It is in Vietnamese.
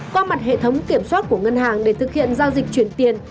qua mặt hệ thống kiểm soát của ngân hàng để thực hiện giao dịch chuyển tiền